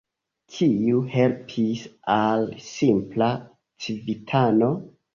Kiu helpis al simpla civitano?